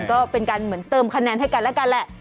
ก็เป็นการเหมือนเติมคะแนนให้กันแล้วกันแหละ